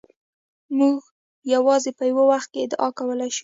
موږ یوازې په یو وخت کې ادعا کولای شو.